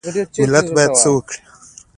ملت باید څه وکړي؟